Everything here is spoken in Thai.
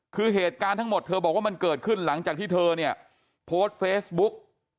คือเหตุการณ์ทั้งหมดเธอบอกว่ามันเกิดขึ้นหลังจากที่เธอเนี่ยโพสต์เฟซบุ๊ก